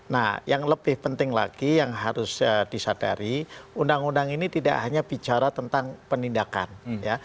nah yang lebih penting lagi yang harus disadari undang undang ini tidak hanya bicara tentang penindakan ya